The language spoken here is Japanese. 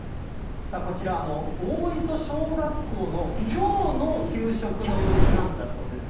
こちら、大磯小学校のきょうの給食の様子なんだそうです。